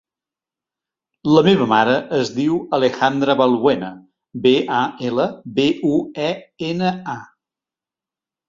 La meva mare es diu Alejandra Balbuena: be, a, ela, be, u, e, ena, a.